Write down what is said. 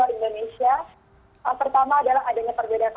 ini ada yang laku